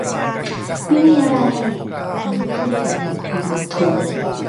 ไม่มีอะไร อลิซพูดอย่างหมดความอดทน